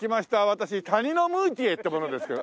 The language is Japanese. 私タニノムーティエって者ですけど。